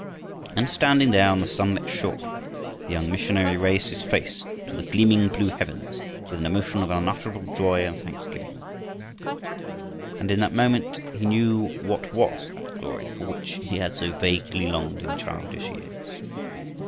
And standing there on the sunlit shore the young missionary raised his face to the gleaming blue heavens with an emotion of unutterable joy and thanksgiving. And in that moment he knew what was that glory for which he had so vaguely longed in childish years.